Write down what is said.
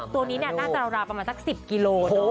ตัวนี้เนี่ยน่าจะราวประมาณสักสิบกิโลเนอะ